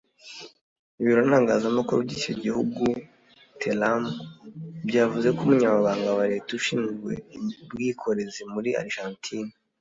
Ibiro ntaramakuru by’iki gihugu Telam byavuze ko Umunyamabanga wa Leta ushinzwe ubwikorezi muri Argentine